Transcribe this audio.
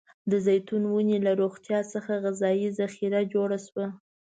د زیتون ونې له روغتيا څخه غذايي ذخیره جوړه شوه.